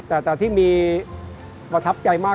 แต่ที่มีประทับใจมาก